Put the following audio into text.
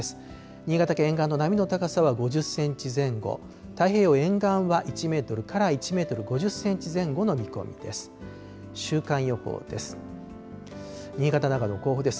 新潟県沿岸の波の高さは５０センチ前後、太平洋沿岸は１メートルから１メートル５０センチ前後の見込みです。